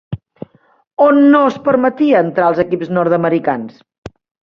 On no es permetia entrar als equips nord-americans?